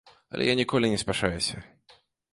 Але я ніколі не спяшаюся.